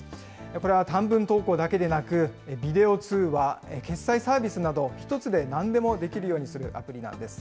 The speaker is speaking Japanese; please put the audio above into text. これは短文投稿だけでなく、ビデオ通話、決済サービスなど１つでなんでもできるようにするアプリなんです。